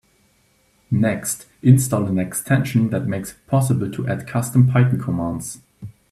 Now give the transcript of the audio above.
Next, install an extension that makes it possible to add custom Python commands.